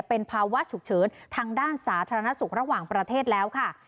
เป็นภาวะฉุกเฉินทางด้านสาธารณสุขระหว่างประเทศแล้วค่ะ